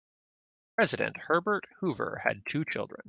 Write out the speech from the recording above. President Herbert Hoover had two children.